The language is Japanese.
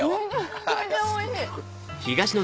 めちゃくちゃおいしい。